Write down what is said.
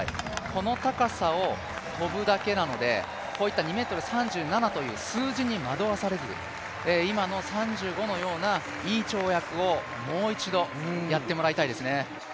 この高さを跳ぶだけなのでこういった２ｍ３７という数字に惑わされず、今の３５のようないい跳躍をもう一度やってもらいたいですね。